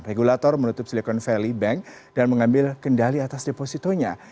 regulator menutup silicon valley bank dan mengambil kendali atas depositonya